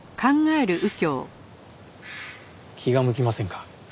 気が向きませんか？